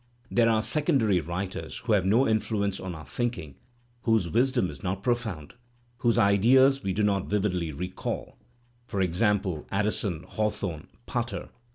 There are secondary ^ writers who have no influence on our thinking, whose wisdom is not profound, whose ideas we do not vividly recall, for example Addison, Hawthorne, Pater.